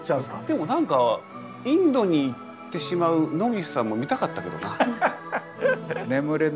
でも何かインドに行ってしまう野口さんも見たかったけどな。